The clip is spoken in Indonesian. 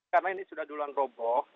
karena ini sudah duluan roboh